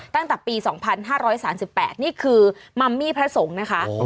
ตั้งแต่ปี๒๕๓๘นี่คือมัมมี่พระสงฆ์นะคะ